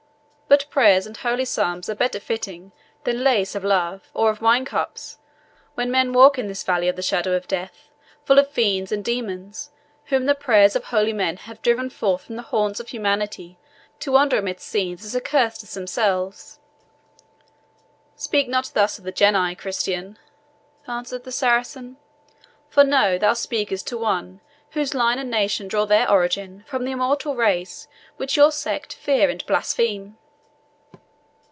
But prayers and holy psalms are better fitting than LAIS of love, or of wine cups, when men walk in this Valley of the Shadow of Death, full of fiends and demons, whom the prayers of holy men have driven forth from the haunts of humanity to wander amidst scenes as accursed as themselves." "Speak not thus of the Genii, Christian," answered the Saracen, "for know thou speakest to one whose line and nation drew their origin from the immortal race which your sect fear and blaspheme."